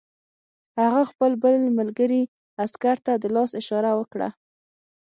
هغه خپل بل ملګري عسکر ته د لاس اشاره وکړه